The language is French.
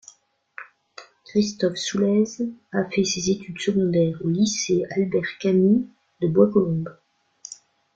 Christophe Soullez a fait ses études secondaires au lycée Albert Camus de Bois-Colombes.